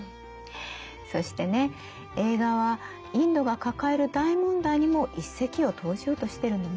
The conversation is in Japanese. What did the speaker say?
そしてね映画はインドが抱える大問題にも一石を投じようとしてるのね。